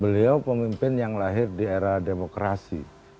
beliau pemimpin yang lahir di era demokrasi